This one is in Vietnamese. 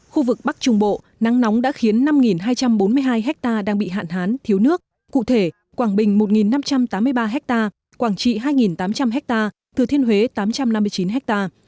khu vực bắc trung bộ nắng nóng đã khiến năm hai trăm bốn mươi hai ha đang bị hạn hán thiếu nước cụ thể quảng bình một năm trăm tám mươi ba ha quảng trị hai tám trăm linh ha thừa thiên huế tám trăm năm mươi chín ha